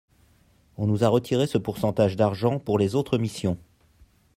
on nous a retiré ce pourcentage d'argent pour les autres missions.